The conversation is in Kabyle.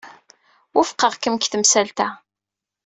Wufqeɣ-kem deg temsalt-a.